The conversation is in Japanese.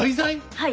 はい。